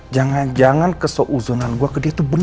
jangan jangan kesouzonan gue ke dia tuh berubah